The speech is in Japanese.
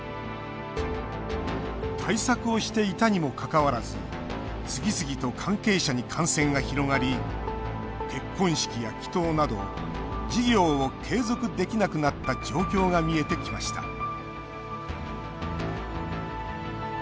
対策をしていたにもかかわらず次々と関係者に感染が広がり結婚式や祈とうなど事業を継続できなくなった状況が見えてきました